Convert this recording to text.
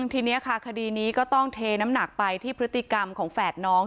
ทีนี้ค่ะคดีนี้ก็ต้องเทน้ำหนักไปที่พฤติกรรมของแฝดน้อง